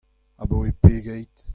Abaoe pegeit ?